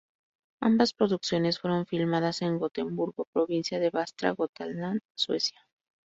Ambas producciones fueron filmadas en Gotemburgo, Provincia de Västra Götaland, Suecia.